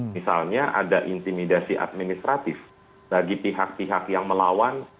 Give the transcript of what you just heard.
misalnya ada intimidasi administratif bagi pihak pihak yang melawan